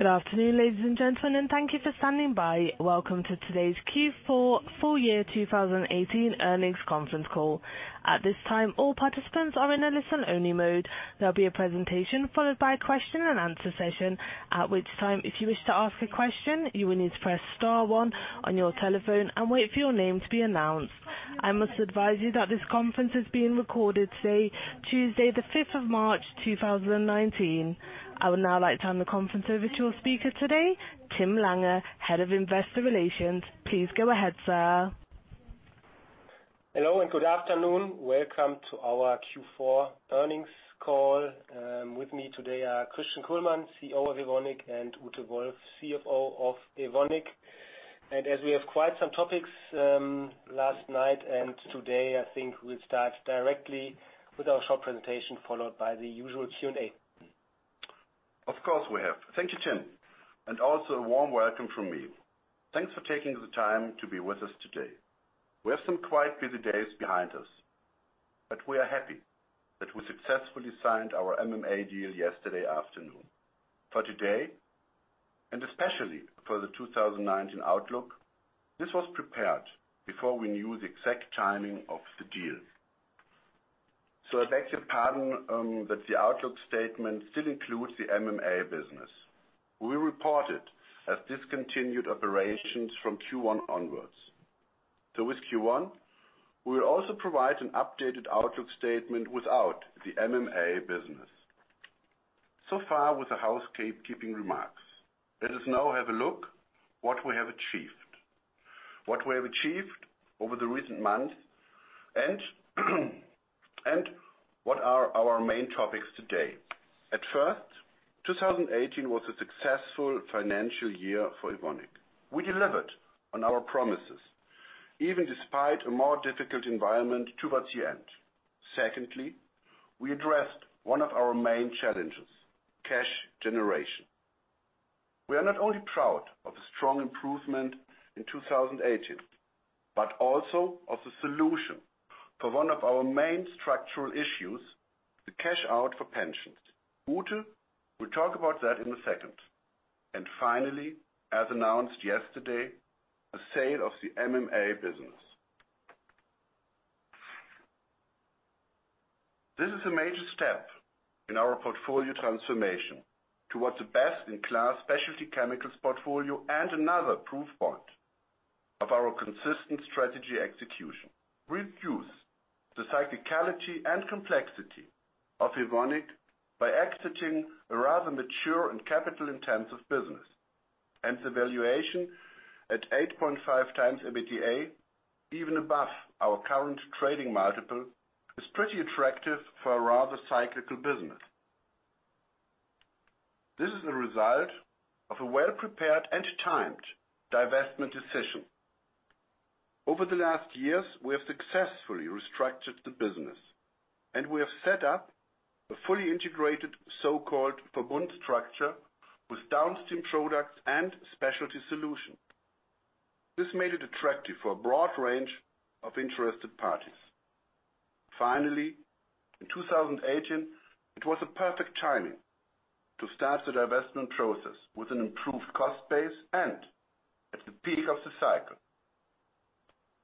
Good afternoon, ladies and gentlemen. Thank you for standing by. Welcome to today's Q4 Full Year 2018 Earnings Conference Call. At this time, all participants are in a listen-only mode. There'll be a presentation followed by a question and answer session. At which time, if you wish to ask a question, you will need to press star one on your telephone and wait for your name to be announced. I must advise you that this conference is being recorded today, Tuesday the 5th of March, 2019. I would now like to turn the conference over to your speaker today, Tim Lange, Head of Investor Relations. Please go ahead, sir. Hello, good afternoon. Welcome to our Q4 earnings call. With me today are Christian Kullmann, CEO of Evonik, and Ute Wolf, CFO of Evonik. As we have quite some topics, last night and today, I think we'll start directly with our short presentation, followed by the usual Q&A. Of course, we have. Thank you, Tim. Also a warm welcome from me. Thanks for taking the time to be with us today. We have some quite busy days behind us, we are happy that we successfully signed our MMA deal yesterday afternoon. For today, and especially for the 2019 outlook, this was prepared before we knew the exact timing of the deal. I beg your pardon that the outlook statement still includes the MMA business. We report it as discontinued operations from Q1 onwards. With Q1, we will also provide an updated outlook statement without the MMA business. Far with the housekeeping remarks. Let us now have a look what we have achieved. What we have achieved over the recent months and what are our main topics today. At first, 2018 was a successful financial year for Evonik. We delivered on our promises, even despite a more difficult environment towards the end. Secondly, we addressed one of our main challenges, cash generation. We are not only proud of the strong improvement in 2018, but also of the solution for one of our main structural issues, the cash out for pensions. Ute will talk about that in a second. Finally, as announced yesterday, the sale of the MMA business. This is a major step in our portfolio transformation towards a best-in-class specialty chemicals portfolio and another proof point of our consistent strategy execution. Reduce the cyclicality and complexity of Evonik by exiting a rather mature and capital-intensive business. The valuation at 8.5x EBITDA, even above our current trading multiple, is pretty attractive for a rather cyclical business. This is a result of a well-prepared and timed divestment decision. Over the last years, we have successfully restructured the business, and we have set up a fully integrated so-called Verbund structure with downstream products and specialty solutions. This made it attractive for a broad range of interested parties. Finally, in 2018, it was a perfect timing to start the divestment process with an improved cost base and at the peak of the cycle.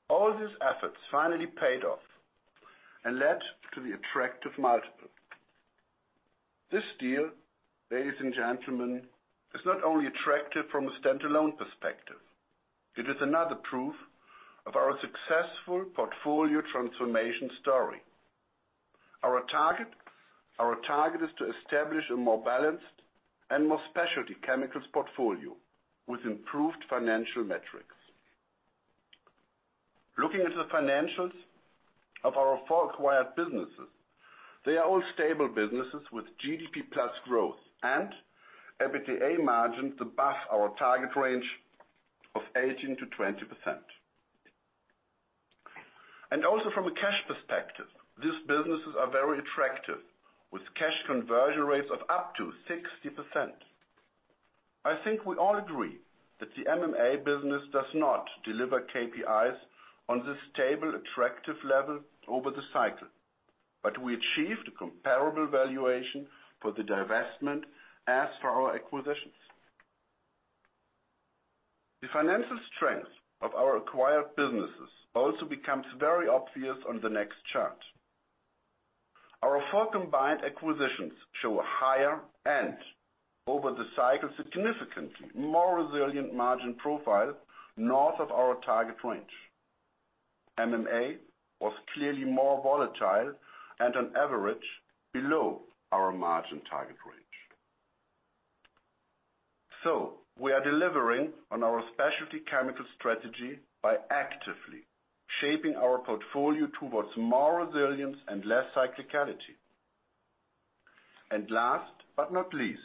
All these efforts finally paid off and led to the attractive multiple. This deal, ladies and gentlemen, is not only attractive from a standalone perspective. It is another proof of our successful portfolio transformation story. Our target is to establish a more balanced and more specialty chemicals portfolio with improved financial metrics. Looking at the financials of our four acquired businesses, they are all stable businesses with GDP plus growth and EBITDA margins above our target range of 18%-20%. Also from a cash perspective, these businesses are very attractive, with cash conversion rates of up to 60%. I think we all agree that the MMA business does not deliver KPIs on this table attractive level over the cycle. We achieved a comparable valuation for the divestment, as for our acquisitions. The financial strength of our acquired businesses also becomes very obvious on the next chart. Our four combined acquisitions show a higher, and over the cycle, significantly more resilient margin profile north of our target range. MMA was clearly more volatile and on average below our margin target range. We are delivering on our specialty chemical strategy by actively shaping our portfolio towards more resilience and less cyclicality. Last but not least,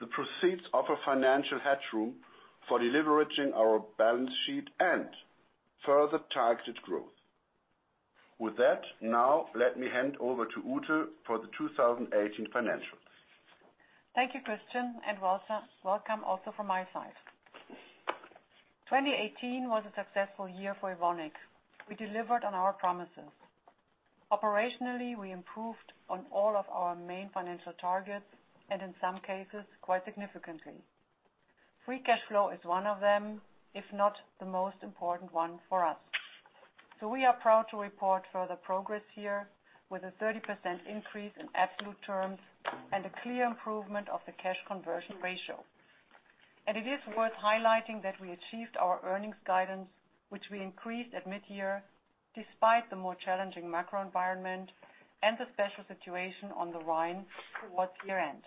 the proceeds of a financial headroom for deleveraging our balance sheet and further targeted growth. With that, now let me hand over to Ute for the 2018 financials. Thank you, Christian, and welcome also from my side. 2018 was a successful year for Evonik. We delivered on our promises. Operationally, we improved on all of our main financial targets, and in some cases, quite significantly. Free cash flow is one of them, if not the most important one for us. We are proud to report further progress here with a 30% increase in absolute terms and a clear improvement of the cash conversion ratio. It is worth highlighting that we achieved our earnings guidance, which we increased at mid-year, despite the more challenging macro environment and the special situation on the Rhine towards year-end.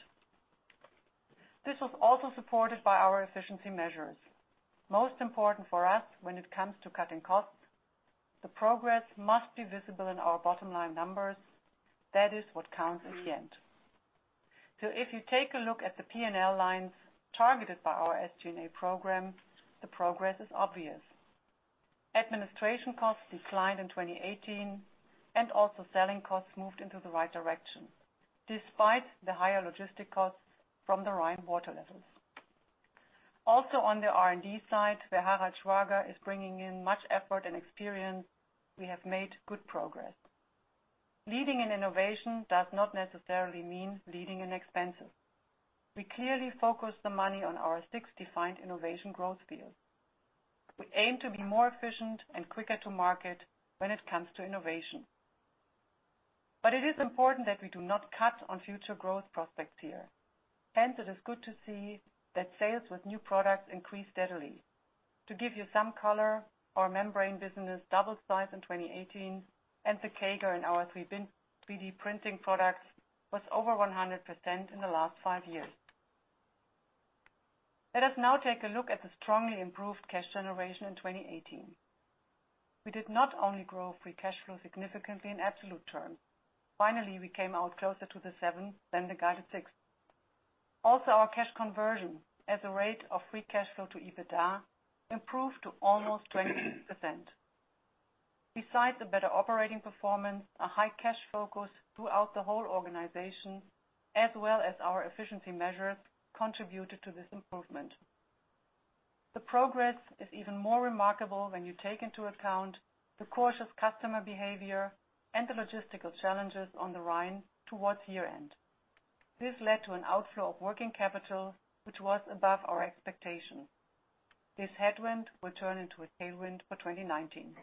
This was also supported by our efficiency measures. Most important for us when it comes to cutting costs, the progress must be visible in our bottom line numbers. That is what counts in the end. If you take a look at the P&L lines targeted by our SG&A program, the progress is obvious. Administration costs declined in 2018, and also selling costs moved into the right direction, despite the higher logistic costs from the Rhine water levels. Also on the R&D side, where Harald Schwager is bringing in much effort and experience, we have made good progress. Leading in innovation does not necessarily mean leading in expenses. We clearly focus the money on our six defined innovation growth fields. We aim to be more efficient and quicker to market when it comes to innovation. It is important that we do not cut on future growth prospects here, and it is good to see that sales with new products increase steadily. To give you some color, our membrane business doubled size in 2018, and the CAGR in our 3D printing products was over 100% in the last five years. Let us now take a look at the strongly improved cash generation in 2018. We did not only grow free cash flow significantly in absolute terms, finally, we came out closer to the seven than the guided six. Also, our cash conversion as a rate of free cash flow to EBITDA improved to almost 20%. Besides the better operating performance, a high cash focus throughout the whole organization, as well as our efficiency measures, contributed to this improvement. The progress is even more remarkable when you take into account the cautious customer behavior and the logistical challenges on the Rhine towards year-end. This led to an outflow of working capital, which was above our expectation. This headwind will turn into a tailwind for 2019.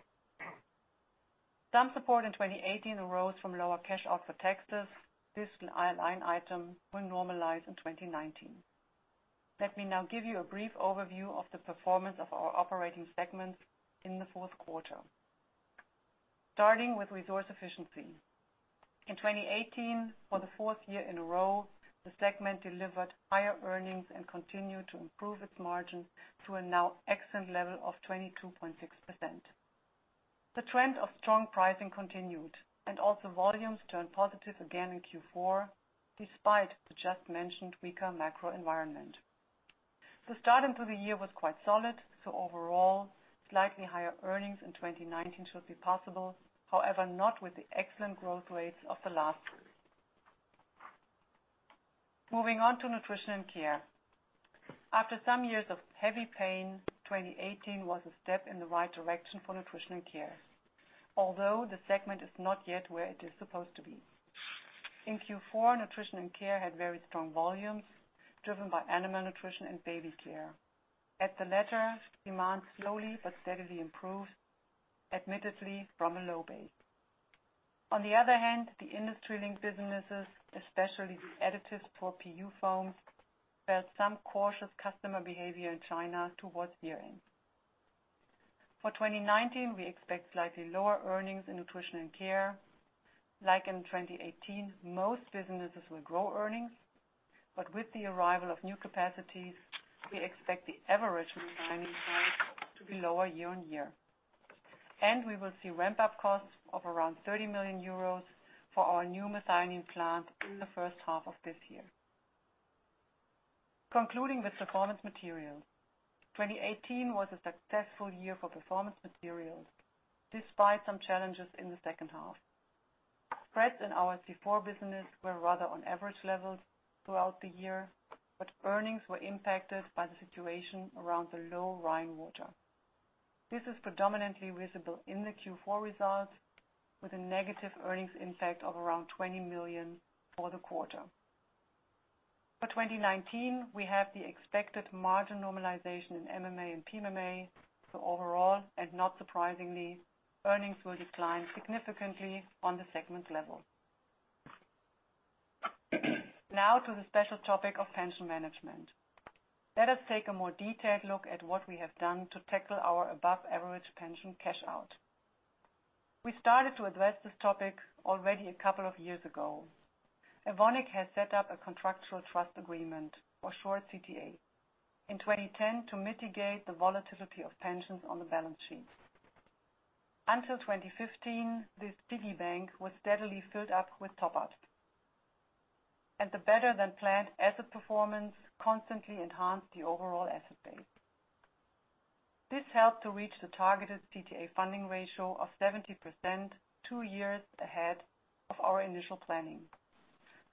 Some support in 2018 arose from lower cash off for taxes. This line item will normalize in 2019. Let me now give you a brief overview of the performance of our operating segments in the fourth quarter. Starting with Resource Efficiency. In 2018, for the fourth year in a row, the segment delivered higher earnings and continued to improve its margins to a now excellent level of 22.6%. The trend of strong pricing continued, and also volumes turned positive again in Q4, despite the just mentioned weaker macro environment. Overall, slightly higher earnings in 2019 should be possible, however, not with the excellent growth rates of the last year. Moving on to Nutrition & Care. After some years of heavy pain, 2018 was a step in the right direction for Nutrition & Care. Although the segment is not yet where it is supposed to be. In Q4, Nutrition & Care had very strong volumes driven by Animal Nutrition and baby care. At the latter, demand slowly but steadily improved, admittedly from a low base. On the other hand, the industry-linked businesses, especially the additives for PU Foams, felt some cautious customer behavior in China towards year-end. For 2019, we expect slightly lower earnings in Nutrition & Care. Like in 2018, most businesses will grow earnings, but with the arrival of new capacities, we expect the average methionine plant to be lower year on year. We will see ramp-up costs of around 30 million euros for our new methionine plant in the first half of this year. Concluding with Performance Materials. 2018 was a successful year for Performance Materials, despite some challenges in the second half. Spreads in our C4 business were rather on average levels throughout the year, but earnings were impacted by the situation around the low Rhine water. This is predominantly visible in the Q4 results with a negative earnings impact of around 20 million for the quarter. For 2019, we have the expected margin normalization in MMA and PMMA, so overall, and not surprisingly, earnings will decline significantly on the segment level. To the special topic of pension management. Let us take a more detailed look at what we have done to tackle our above-average pension cash out. We started to address this topic already a couple of years ago. Evonik Industries has set up a contractual trust agreement, or short CTA, in 2010 to mitigate the volatility of pensions on the balance sheet. Until 2015, this piggy bank was steadily filled up with top ups, and the better-than-planned asset performance constantly enhanced the overall asset base. This helped to reach the targeted CTA funding ratio of 70% two years ahead of our initial planning.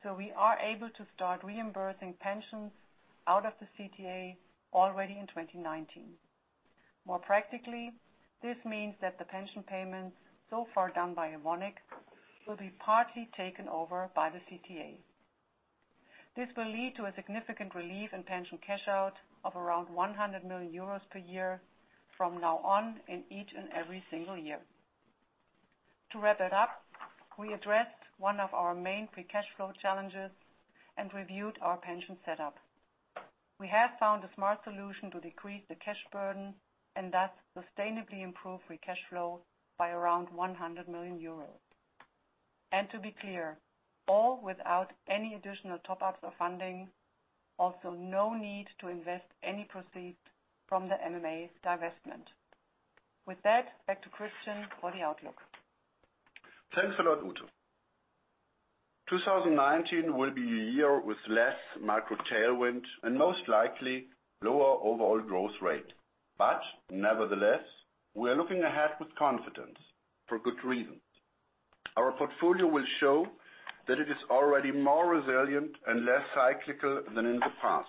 We are able to start reimbursing pensions out of the CTA already in 2019. More practically, this means that the pension payments so far done by Evonik Industries will be partly taken over by the CTA. This will lead to a significant relief in pension cash out of around 100 million euros per year from now on in each and every single year. To wrap it up, we addressed one of our main free cash flow challenges and reviewed our pension setup. We have found a smart solution to decrease the cash burden and thus sustainably improve free cash flow by around 100 million euros. To be clear, all without any additional top-ups or funding, also no need to invest any proceeds from the MMA divestment. With that, back to Christian for the outlook. Thanks a lot, Ute. 2019 will be a year with less macro tailwind and most likely lower overall growth rate. Nevertheless, we are looking ahead with confidence for good reasons. Our portfolio will show that it is already more resilient and less cyclical than in the past.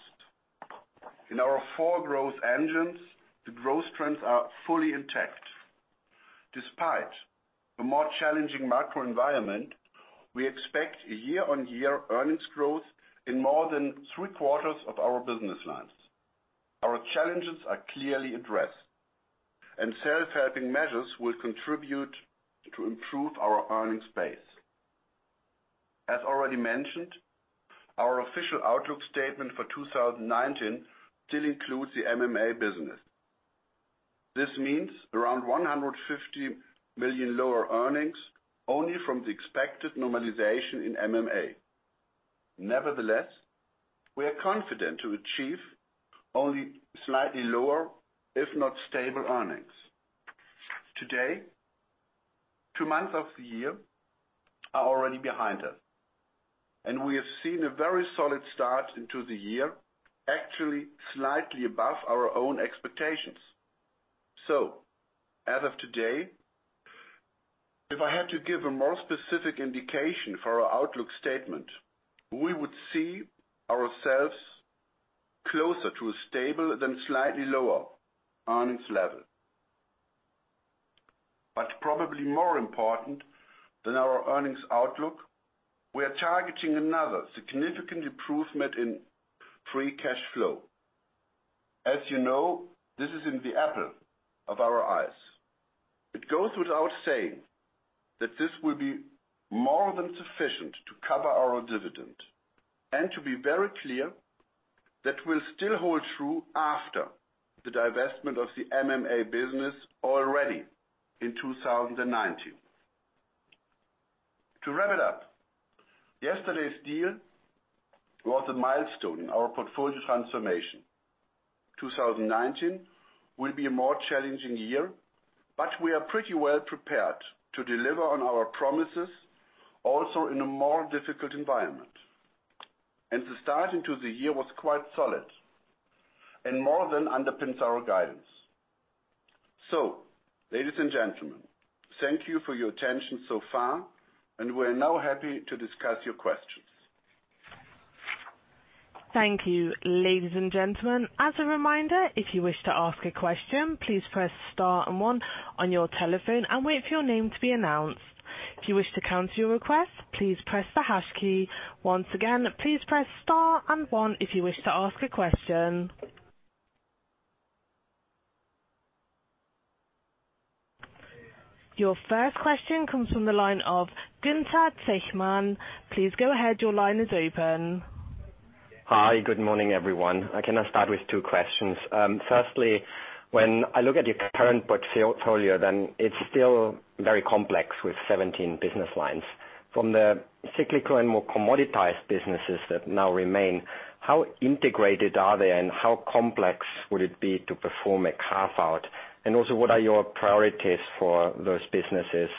In our four growth engines, the growth trends are fully intact. Despite the more challenging macro environment, we expect a year-on-year earnings growth in more than three-quarters of our business lines. Our challenges are clearly addressed, and self-helping measures will contribute to improve our earnings base. As already mentioned, our official outlook statement for 2019 still includes the MMA business. This means around 150 million lower earnings only from the expected normalization in MMA. Nevertheless, we are confident to achieve only slightly lower, if not stable earnings. Today, two months of the year are already behind us, and we have seen a very solid start into the year, actually slightly above our own expectations. As of today, if I had to give a more specific indication for our outlook statement, we would see ourselves closer to a stable than slightly lower earnings level. Probably more important than our earnings outlook, we are targeting another significant improvement in free cash flow. As you know, this is in the apple of our eyes. It goes without saying that this will be more than sufficient to cover our dividend. To be very clear, that will still hold true after the divestment of the MMA business already in 2019. To wrap it up, yesterday's deal was a milestone in our portfolio transformation. 2019 will be a more challenging year, but we are pretty well prepared to deliver on our promises also in a more difficult environment. The start into the year was quite solid and more than underpins our guidance. Ladies and gentlemen, thank you for your attention so far, and we're now happy to discuss your questions. Thank you, ladies and gentlemen. As a reminder, if you wish to ask a question, please press star and one on your telephone and wait for your name to be announced. If you wish to cancel your request, please press the hash key. Once again, please press star and one if you wish to ask a question. Your first question comes from the line of Gunther Zechmann. Please go ahead. Your line is open. Hi. Good morning, everyone. Can I start with two questions? Firstly, when I look at your current portfolio, then it's still very complex with 17 business lines. From the cyclical and more commoditized businesses that now remain, how integrated are they, and how complex would it be to perform a carve-out? Also, what are your priorities for those businesses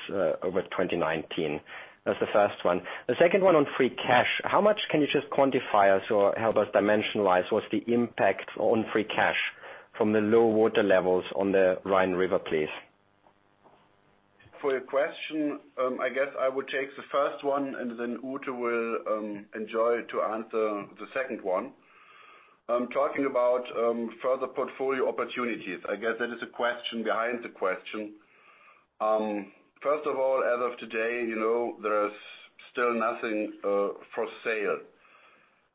over 2019? That's the first one. The second one on free cash, how much can you just quantify us or help us dimensionalize what's the impact on free cash from the low water levels on the Rhine River, please? For your question, I guess I would take the first one, then Ute will enjoy to answer the second one. Talking about further portfolio opportunities, I guess that is a question behind the question. First of all, as of today, there is still nothing for sale.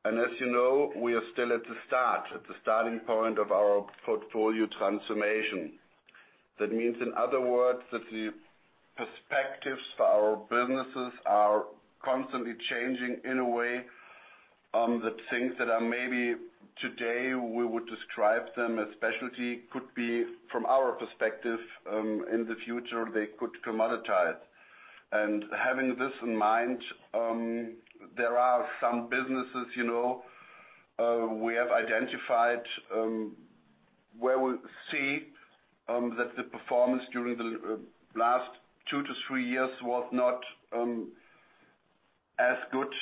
As you know, we are still at the starting point of our portfolio transformation. That means, in other words, that the perspectives for our businesses are constantly changing in a way that things that are maybe today we would describe them as specialty could be, from our perspective, in the future, they could commoditize. Having this in mind, there are some businesses we have identified, where we see that the performance during the last two to three years was not as good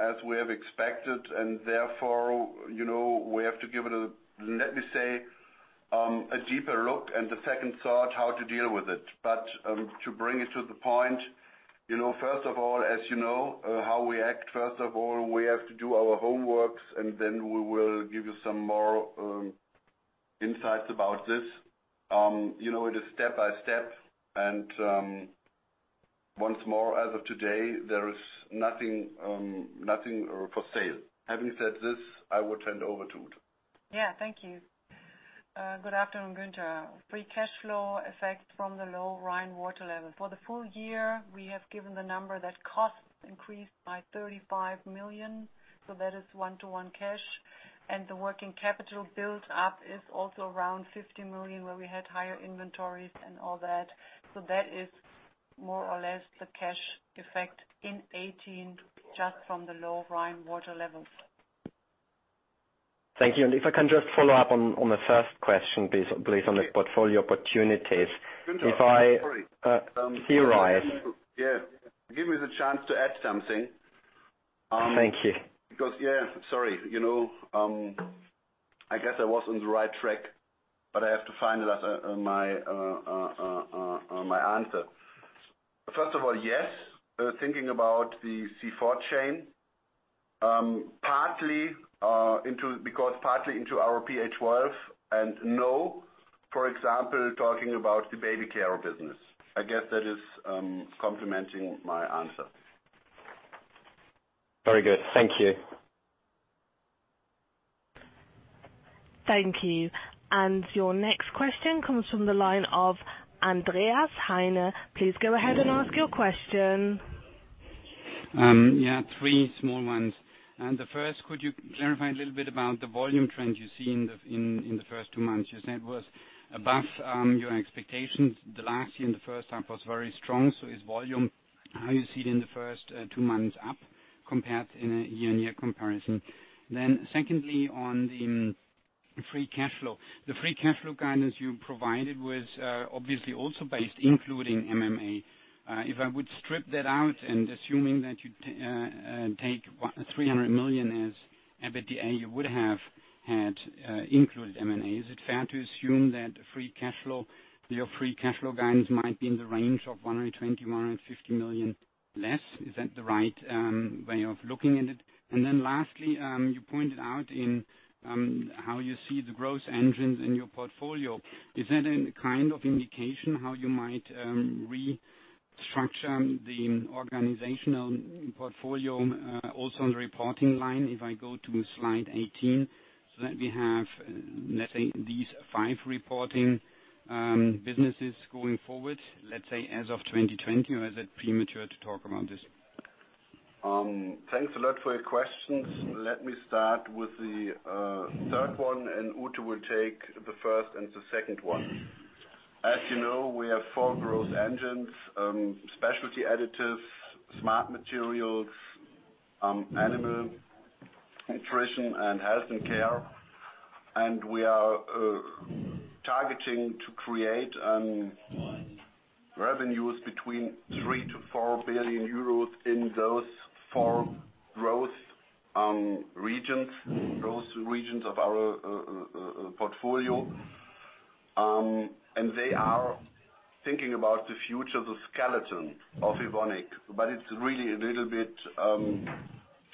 as we have expected, therefore, we have to give it a deeper look and the second thought, how to deal with it. To bring it to the point, first of all, as you know how we act, first of all, we have to do our homeworks, then we will give you some more insights about this. It is step by step. Once more, as of today, there is nothing for sale. Having said this, I will turn it over to Ute. Thank you. Good afternoon, Gunther. Free cash flow effect from the low Rhine water level. For the full year, we have given the number that costs increased by 35 million. That is one-to-one cash. The working capital build-up is also around 50 million, where we had higher inventories and all that. That is more or less the cash effect in 2018 just from the low Rhine water levels. Thank you. If I can just follow up on the first question, please, on the portfolio opportunities. Gunther, sorry. If I theorize. Yeah. Give me the chance to add something. Thank you. Sorry. I guess I was on the right track, but I have to finalize my answer. First of all, yes, thinking about the C4 chain. Partly into our PA12, for example, talking about the baby care business. I guess that is complementing my answer. Very good. Thank you. Thank you. Your next question comes from the line of Andreas Heine. Please go ahead and ask your question. three small ones. The first, could you clarify a little bit about the volume trend you see in the first two months? You said it was above your expectations. The last year, the first half was very strong. Is volume, how you see it in the first two months up compared in a year-on-year comparison? Secondly, on the free cash flow. The free cash flow guidance you provided was obviously also based including MMA. If I would strip that out, assuming that you take 300 million as EBITDA you would have had included MMA, is it fair to assume that your free cash flow guidance might be in the range of 120 million-150 million less? Is that the right way of looking at it? Lastly, you pointed out in how you see the growth engines in your portfolio. Is that a kind of indication how you might restructure the organizational portfolio also in the reporting line, if I go to slide 18, so that we have, let's say, these five reporting businesses going forward, let's say as of 2020, or is it premature to talk about this? Thanks a lot for your questions. Let me start with the third one. Ute will take the first and the second one. As you know, we have four growth engines, Specialty Additives, Smart Materials, Animal Nutrition, and Health & Care. We are targeting to create revenues between 3 billion-4 billion euros in those four growth regions of our portfolio. They are thinking about the future, the skeleton of Evonik. It's really a little bit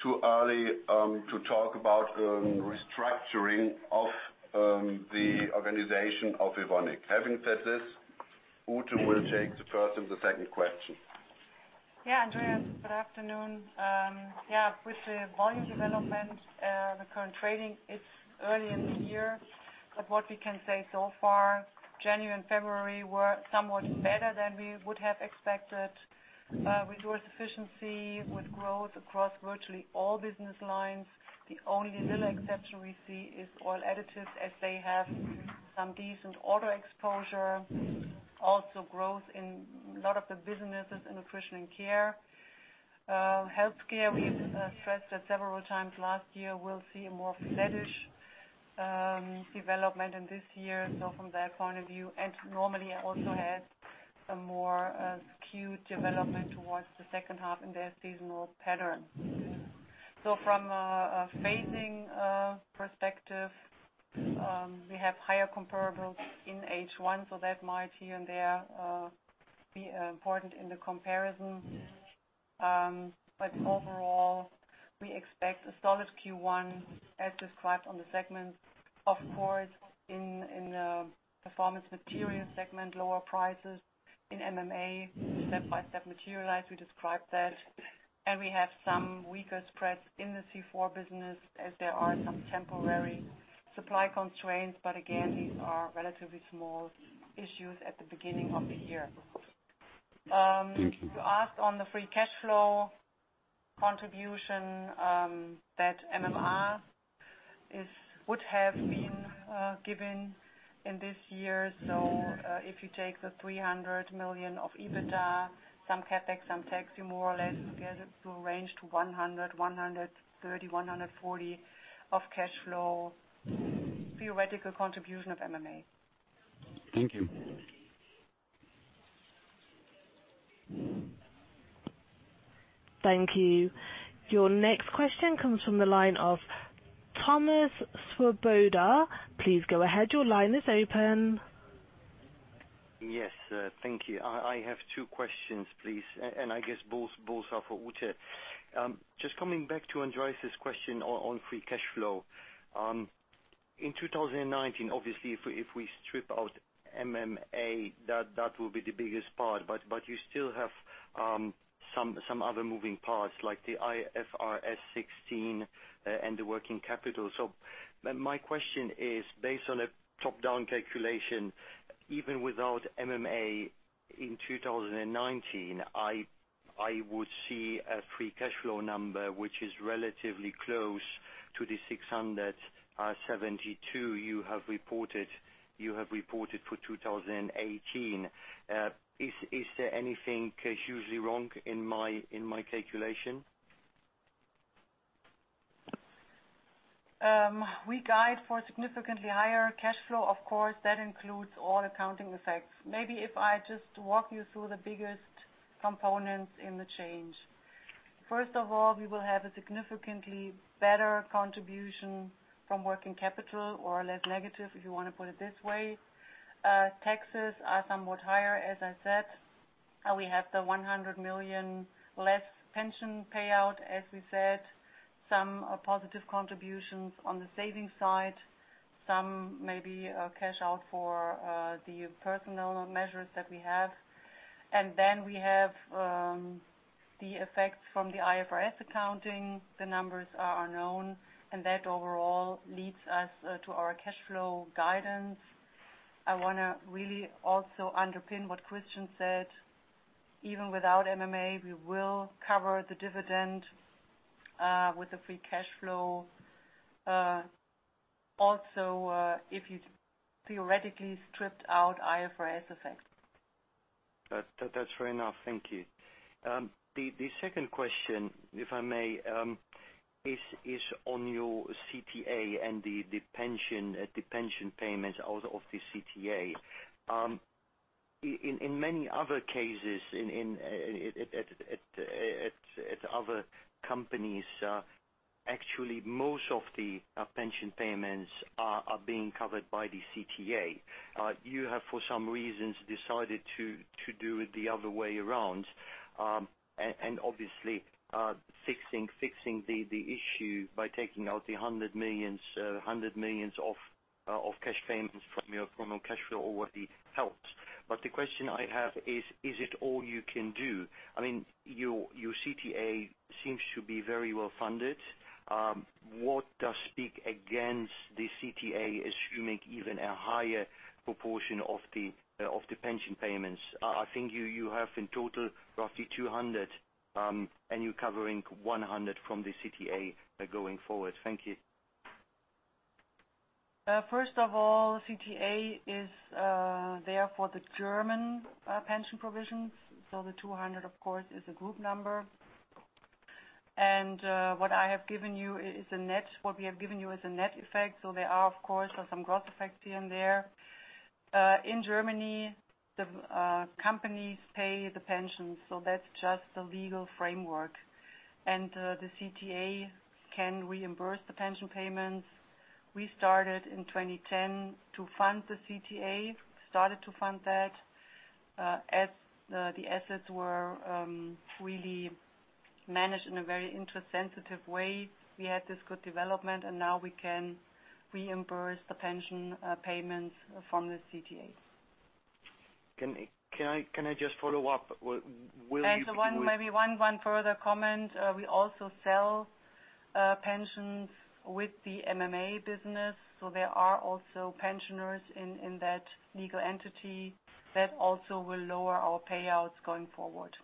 too early to talk about restructuring of the organization of Evonik. Having said this, Ute will take the first and the second question. Andreas, good afternoon. With the volume development, the current trading, it's early in the year, but what we can say so far, January and February were somewhat better than we would have expected with growth efficiency, with growth across virtually all business lines. The only little exception we see is Oil Additives, as they have some diesel order exposure. Also growth in a lot of the businesses in Nutrition & Care. Health & Care, we've stressed that several times last year, will see a more flattish development in this year. From that point of view. Normally, I also had a more skewed development towards the second half in their seasonal pattern. From a phasing perspective, we have higher comparables in H1, so that might here and there be important in the comparison. Overall, we expect a solid Q1 as described on the segment. Of course, in the Performance Materials segment, lower prices in MMA step by step materialize, we described that. We have some weaker spreads in the C4 business as there are some temporary supply constraints. Again, these are relatively small issues at the beginning of the year. Thank you. You asked on the free cash flow contribution that MMA would have been given in this year. If you take the €300 million of EBITDA, some CapEx, some tax, you more or less will get it to a range to €100 million, €130 million, €140 million of cash flow, theoretical contribution of MMA. Thank you. Thank you. Your next question comes from the line of Thomas Swoboda. Please go ahead. Your line is open. Yes. Thank you. I have two questions, please, and I guess both are for Ute. Just coming back to Andreas' question on free cash flow. In 2019, obviously, if we strip out MMA, that will be the biggest part, but you still have some other moving parts, like the IFRS 16, and the working capital. My question is, based on a top-down calculation, even without MMA in 2019, I would see a free cash flow number which is relatively close to the 672 you have reported for 2018. Is there anything hugely wrong in my calculation? We guide for significantly higher cash flow. Of course, that includes all accounting effects. Maybe if I just walk you through the biggest components in the change. First of all, we will have a significantly better contribution from working capital, or less negative, if you want to put it this way. Taxes are somewhat higher, as I said. We have the 100 million less pension payout, as we said, some positive contributions on the savings side, some maybe cash out for the personal measures that we have. We have the effects from the IFRS accounting. The numbers are known, and that overall leads us to our cash flow guidance. I want to really also underpin what Christian said. Even without MMA, we will cover the dividend with the free cash flow. Also, if you theoretically stripped out IFRS effects. That's fair enough. Thank you. The second question, if I may, is on your CTA and the pension payments out of the CTA. In many other cases at other companies, actually most of the pension payments are being covered by the CTA. You have, for some reasons, decided to do it the other way around, and obviously, fixing the issue by taking out the 100 million of cash payments from your cash flow already helps. The question I have is it all you can do? Your CTA seems to be very well funded. What does speak against the CTA assuming even a higher proportion of the pension payments? I think you have in total roughly 200, and you're covering 100 from the CTA going forward. Thank you. First of all, CTA is there for the German pension provisions. The 200, of course, is a group number. What we have given you is a net effect, so there are, of course, some growth effects here and there. In Germany, the companies pay the pensions, so that's just the legal framework. The CTA can reimburse the pension payments. We started in 2010 to fund the CTA. As the assets were really managed in a very interest sensitive way, we had this good development, and now we can reimburse the pension payments from the CTA. Can I just follow up? Maybe one further comment. We also sell pensions with the MMA business, so there are also pensioners in that legal entity. That also will lower our payouts going forward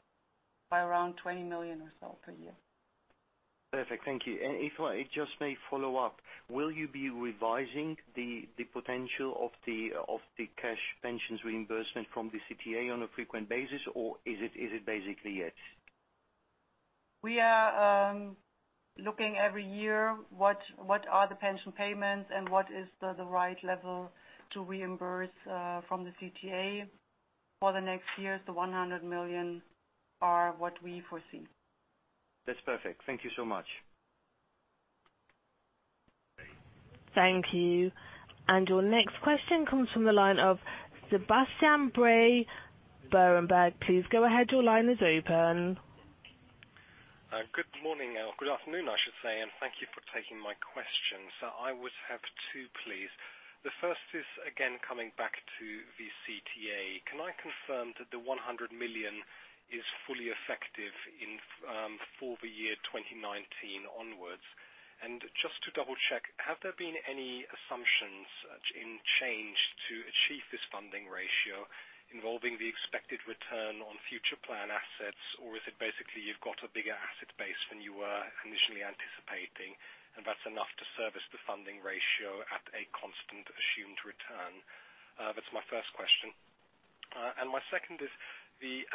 by around 20 million or so per year. Perfect. Thank you. If I just may follow up, will you be revising the potential of the cash pensions reimbursement from the CTA on a frequent basis, or is it basically it? We are looking every year what are the pension payments and what is the right level to reimburse from the CTA. For the next years, the 100 million are what we foresee. That's perfect. Thank you so much. Thank you. Your next question comes from the line of Sebastian Bray, Berenberg. Please go ahead, your line is open. Good morning, or good afternoon, I should say, thank you for taking my questions. I would have two, please. The first is, again, coming back to the CTA. Can I confirm that the 100 million is fully effective for the year 2019 onwards? Just to double check, have there been any assumptions in change to achieve this funding ratio involving the expected return on future plan assets, or is it basically you've got a bigger asset base than you were initially anticipating, and that's enough to service the funding ratio at a constant assumed return? That's my first question. My second is,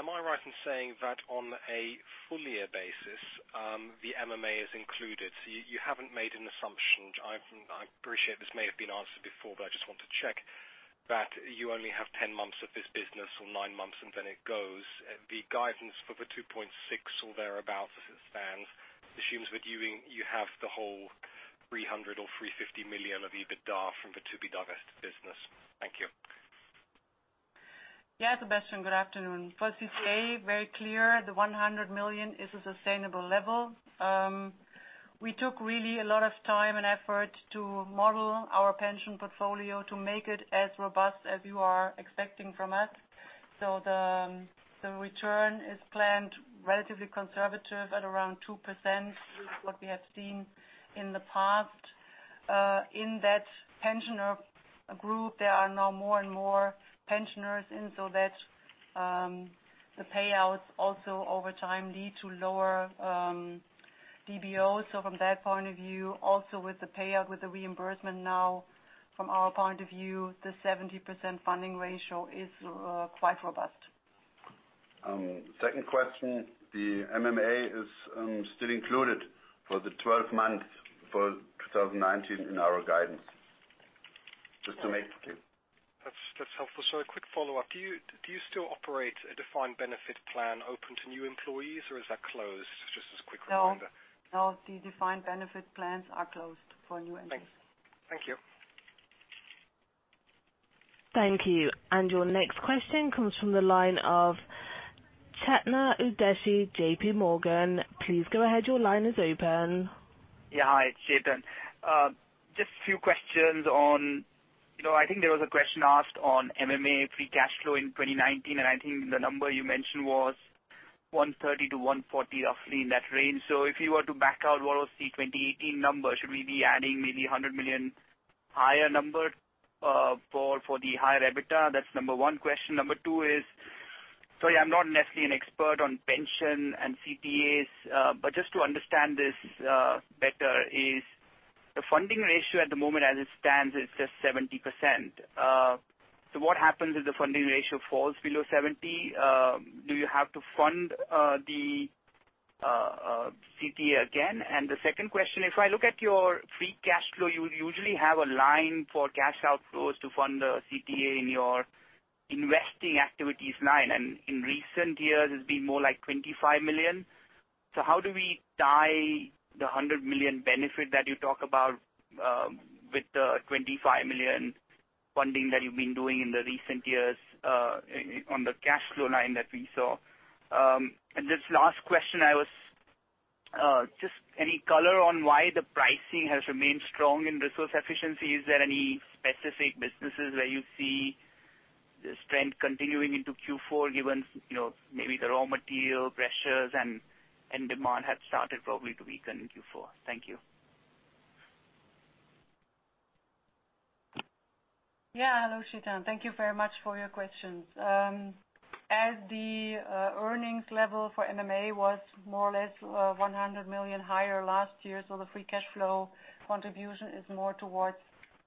am I right in saying that on a full year basis, the MMA is included? You haven't made an assumption. I appreciate this may have been answered before, I just want to check. That you only have 10 months of this business or nine months, and then it goes. The guidance for the 2.6 or thereabout, as it stands, assumes that you have the whole 300 million or 350 million of EBITDA from the to-be-divested business. Thank you. Sebastian, good afternoon. For CTA, very clear, the 100 million is a sustainable level. We took really a lot of time and effort to model our pension portfolio to make it as robust as you are expecting from us. The return is planned relatively conservative at around 2%, which is what we have seen in the past. In that pensioner group, there are now more and more pensioners in, so the payouts also over time lead to lower DBO. From that point of view, also with the payout, with the reimbursement now from our point of view, the 70% funding ratio is quite robust. Second question, the MMA is still included for the 12 months for 2019 in our guidance. That's helpful. A quick follow-up. Do you still operate a defined benefit plan open to new employees, or is that closed? Just as a quick reminder. No. The defined benefit plans are closed for new entrants. Thank you. Thank you. Your next question comes from the line of Chetan Udeshi, JPMorgan. Please go ahead. Your line is open. Hi, it's Chetan. A few questions on. I think there was a question asked on MMA free cash flow in 2019, and I think the number you mentioned was 130 million to 140 million, roughly in that range. If you were to back out what was the 2018 number, should we be adding maybe 100 million higher number for the higher EBITDA? That's number 1 question. Number 2 is, sorry, I'm not necessarily an expert on pension and CTAs, but to understand this better, is the funding ratio at the moment as it stands is just 70%? What happens if the funding ratio falls below 70%? Do you have to fund the CTA again? The second question, if I look at your free cash flow, you usually have a line for cash outflows to fund the CTA in your investing activities line. In recent years, it's been more like 25 million. How do we tie the 100 million benefit that you talk about with the 25 million funding that you've been doing in the recent years on the cash flow line that we saw? This last question, any color on why the pricing has remained strong in Resource Efficiency? Is there any specific businesses where you see the strength continuing into Q4, given maybe the raw material pressures and demand have started probably to weaken in Q4? Thank you. Hello, Chetan. Thank you very much for your questions. The earnings level for MMA was more or less 100 million higher last year, so the free cash flow contribution is more towards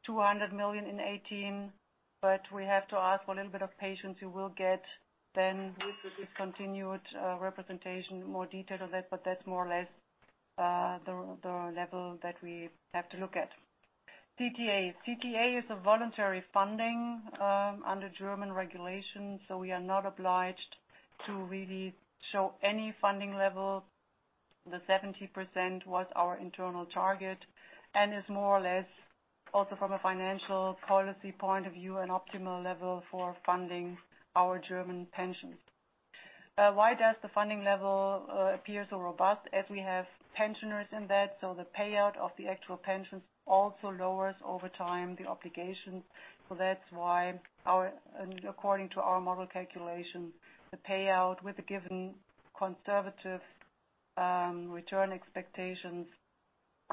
200 million in 2018. We have to ask for a little bit of patience. You will get then with the discontinued representation, more detail of that, but that's more or less the level that we have to look at. CTA. CTA is a voluntary funding under German regulations, so we are not obliged to really show any funding level. The 70% was our internal target and is more or less, also from a financial policy point of view, an optimal level for funding our German pensions. Why does the funding level appear so robust? We have pensioners in that, so the payout of the actual pensions also lowers over time the obligation. That's why according to our model calculation, the payout with a given conservative return expectations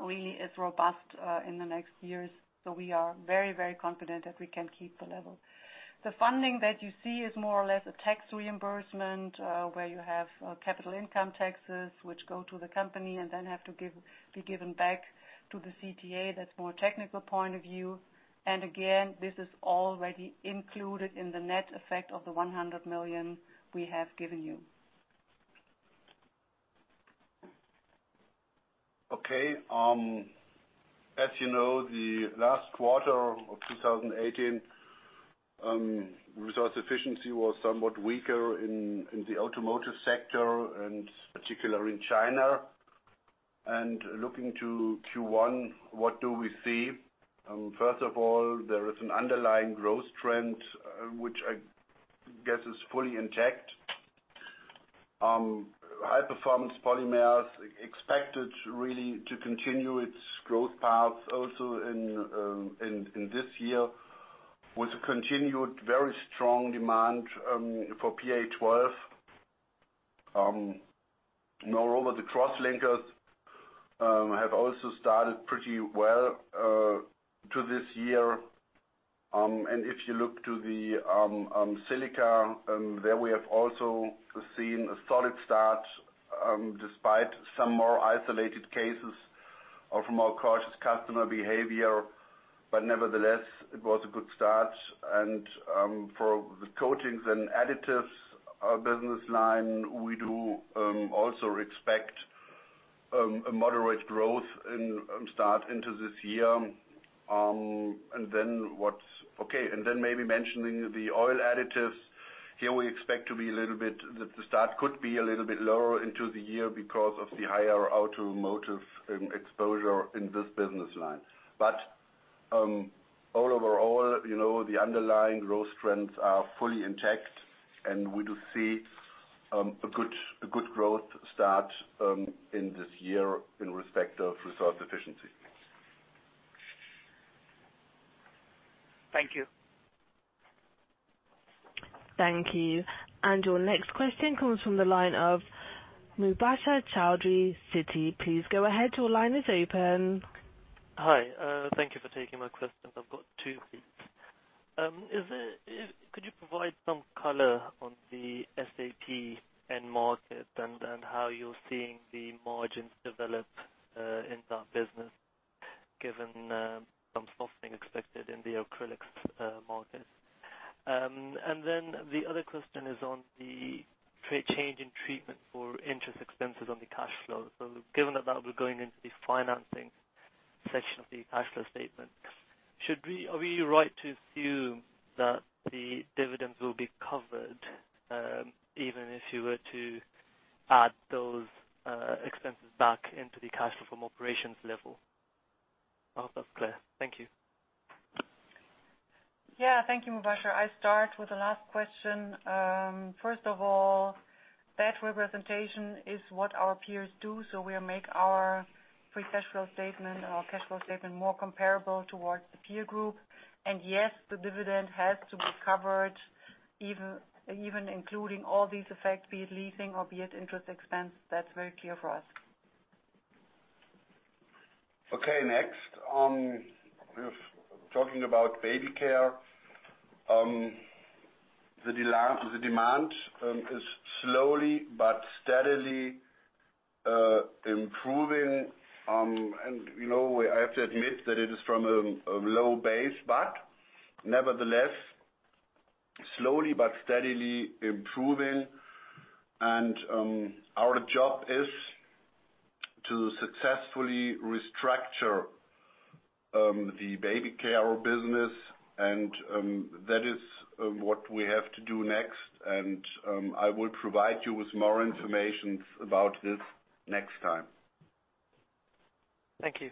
really is robust in the next years. We are very confident that we can keep the level. The funding that you see is more or less a tax reimbursement, where you have capital income taxes, which go to the company and then have to be given back to the CTA. That's more technical point of view. Again, this is already included in the net effect of the 100 million we have given you. Okay. As you know, the last quarter of 2018, Resource Efficiency was somewhat weaker in the automotive sector and particular in China. Looking to Q1, what do we see? First of all, there is an underlying growth trend, which I guess is fully intact. High Performance Polymers expected really to continue its growth path also in this year with a continued very strong demand for PA12. Moreover, the Crosslinkers have also started pretty well to this year. If you look to the Silica, there we have also seen a solid start despite some more isolated cases of more cautious customer behavior. Nevertheless, it was a good start. For the Coating Additives business line, we do also expect a moderate growth start into this year. Then maybe mentioning the Oil Additives. Here, we expect the start could be a little bit lower into the year because of the higher automotive exposure in this business line. Overall, the underlying growth trends are fully intact, and we do see a good growth start in this year in respect of Resource Efficiency. Thank you. Thank you. Your next question comes from the line of Mubasher Chaudhry, Citi. Please go ahead. Your line is open. Hi. Thank you for taking my questions. I've got two, please. Could you provide some color on the SAP end market and how you're seeing the margins develop in that business, given some softening expected in the acrylics market? The other question is on the change in treatment for interest expenses on the cash flow. Given that we're going into the financing section of the cash flow statement, are we right to assume that the dividends will be covered, even if you were to add those expenses back into the cash from operations level? I hope that's clear. Thank you. Yeah. Thank you, Mubasher. I start with the last question. First of all, that representation is what our peers do, so we make our free cash flow statement and our cash flow statement more comparable towards the peer group. Yes, the dividend has to be covered, even including all these effects, be it leasing or be it interest expense. That's very clear for us. Okay, next. Talking about baby care, the demand is slowly but steadily improving. I have to admit that it is from a low base, but nevertheless, slowly but steadily improving. Our job is to successfully restructure the baby care business, and that is what we have to do next. I will provide you with more information about this next time. Thank you.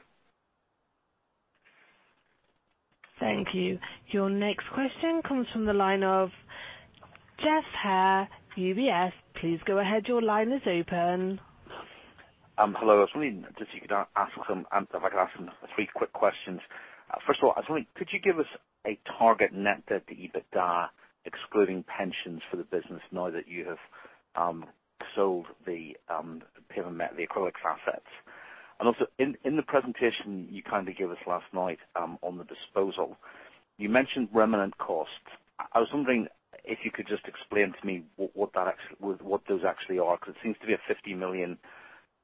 Thank you. Your next question comes from the line of Geoff Haire, UBS. Please go ahead. Your line is open. Hello. I was wondering if I could ask three quick questions. First of all, I was wondering, could you give us a target net debt to EBITDA, excluding pensions for the business now that you have sold the acrylics assets? Also, in the presentation you kindly gave us last night on the disposal, you mentioned remnant costs. I was wondering if you could just explain to me what those actually are, because it seems to be a 50 million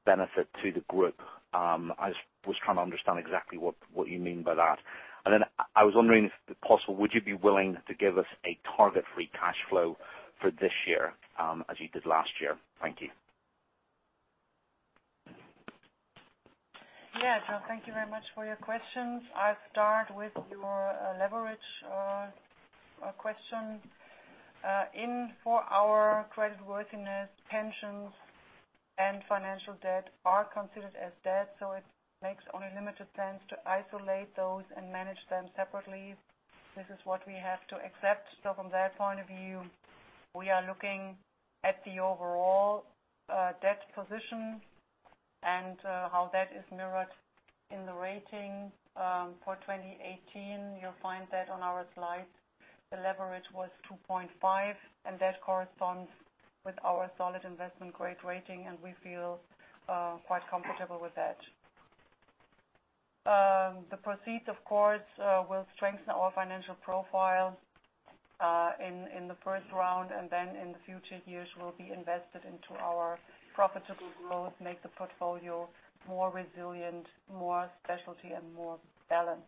benefit to the group. I just was trying to understand exactly what you mean by that. I was wondering if possible, would you be willing to give us a target free cash flow for this year, as you did last year? Thank you. Thank you very much for your questions. I'll start with your leverage question. In for our credit worthiness, pensions and financial debt are considered as debt, it makes only limited sense to isolate those and manage them separately. This is what we have to accept. From that point of view, we are looking at the overall debt position and how that is mirrored in the rating. For 2018, you'll find that on our slides, the leverage was 2.5, and that corresponds with our solid investment grade rating, and we feel quite comfortable with that. The proceeds, of course, will strengthen our financial profile in the first round, and then in the future years will be invested into our profitable growth, make the portfolio more resilient, more specialty, and more balanced.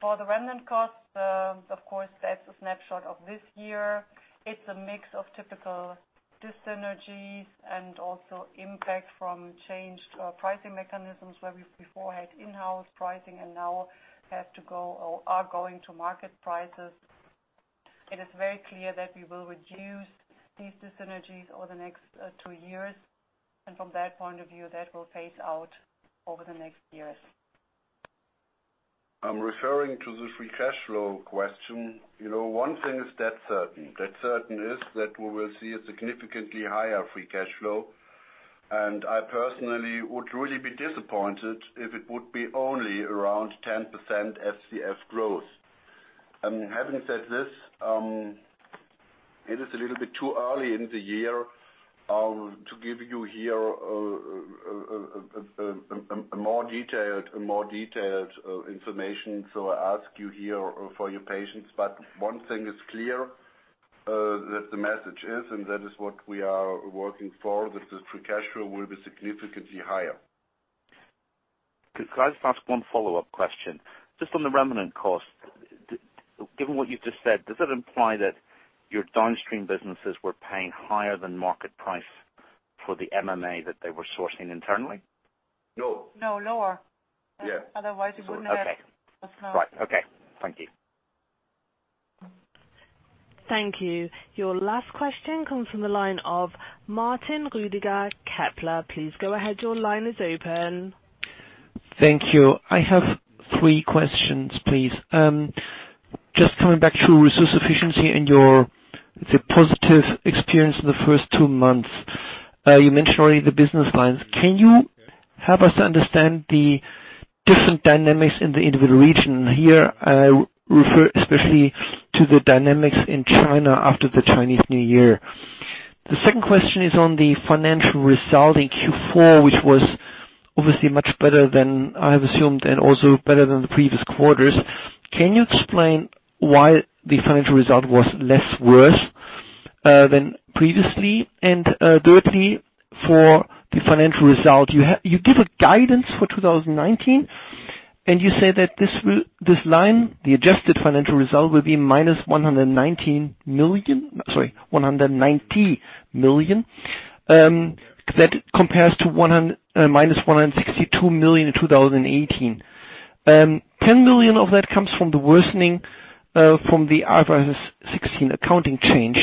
For the remnant costs, of course, that's a snapshot of this year. It's a mix of typical dyssynergies and also impact from changed pricing mechanisms where we before had in-house pricing and now are going to market prices. It is very clear that we will reduce these dyssynergies over the next two years, from that point of view, that will phase out over the next years. I'm referring to the free cash flow question. One thing is dead certain. Dead certain is that we will see a significantly higher free cash flow. I personally would really be disappointed if it would be only around 10% FCF growth. Having said this, it is a little bit too early in the year to give you here a more detailed information, I ask you here for your patience. One thing is clear that the message is, that is what we are working for, that the free cash flow will be significantly higher. Could I just ask one follow-up question? Just on the remnant cost, given what you've just said, does that imply that your downstream businesses were paying higher than market price for the MMA that they were sourcing internally? No. No, lower. Yeah. Otherwise, you wouldn't have- Okay. Right. Okay. Thank you. Thank you. Your last question comes from the line of Martin Roediger, Kepler. Please go ahead. Your line is open. Thank you. I have three questions, please. Just coming back to Resource Efficiency and your, let's say, positive experience in the first two months. You mentioned already the business lines. Can you help us understand the different dynamics in the individual region? Here, I refer especially to the dynamics in China after the Chinese New Year. The second question is on the financial result in Q4, which was obviously much better than I have assumed and also better than the previous quarters. Can you explain why the financial result was less worse than previously? Thirdly, for the financial result, you give a guidance for 2019, and you say that this line, the adjusted financial result, will be minus 119 million. Sorry, 190 million. That compares to minus 162 million in 2018. 10 million of that comes from the worsening, from the IFRS 16 accounting change.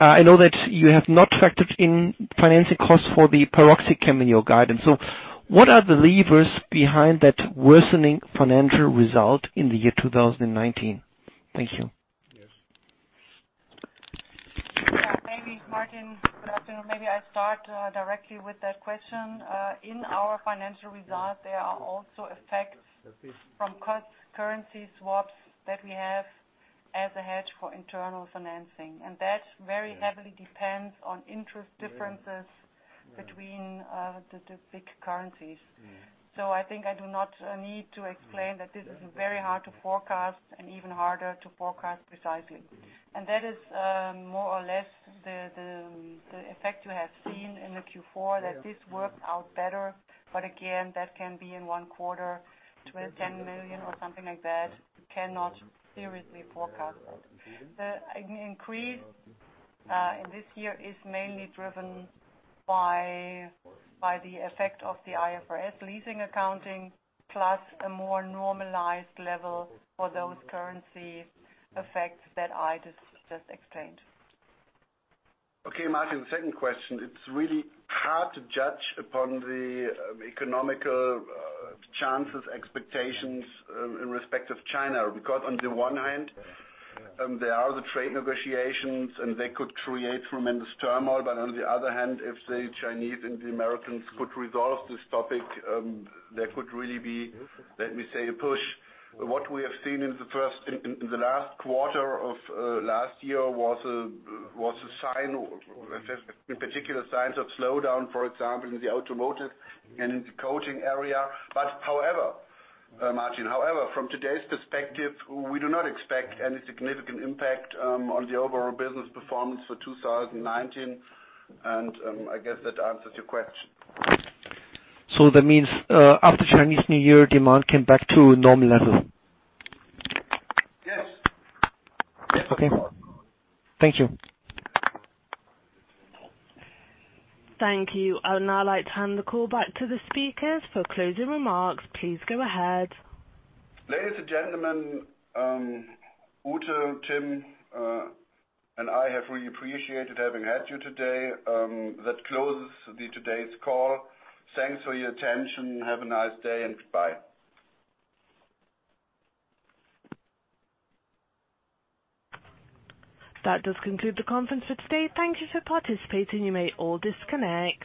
I know that you have not factored in financing costs for the PeroxyChem in your guidance. What are the levers behind that worsening financial result in the year 2019? Thank you. Yes. Maybe Martin, good afternoon. Maybe I start directly with that question. In our financial results, there are also effects from currency swaps that we have as a hedge for internal financing. That very heavily depends on interest differences between the two big currencies. I think I do not need to explain that this is very hard to forecast and even harder to forecast precisely. That is more or less the effect you have seen in the Q4, that this worked out better. Again, that can be in one quarter, 10 million or something like that. You cannot seriously forecast that. The increase in this year is mainly driven by the effect of the IFRS leasing accounting, plus a more normalized level for those currency effects that I just explained. Okay, Martin, the second question, it's really hard to judge upon the economical chances, expectations in respect of China, because on the one hand, there are the trade negotiations, and they could create tremendous turmoil. On the other hand, if the Chinese and the Americans could resolve this topic, there could really be, let me say, a push. What we have seen in the last quarter of last year was a sign, in particular signs of slowdown, for example, in the automotive and in the coating area. However, Martin, however, from today's perspective, we do not expect any significant impact on the overall business performance for 2019, and I guess that answers your question. That means, after Chinese New Year, demand came back to a normal level? Yes. Okay. Thank you. Thank you. I would now like to hand the call back to the speakers for closing remarks. Please go ahead. Ladies and gentlemen, Ute, Tim, and I have really appreciated having had you today. That closes today's call. Thanks for your attention. Have a nice day, and goodbye. That does conclude the conference for today. Thank you for participating. You may all disconnect.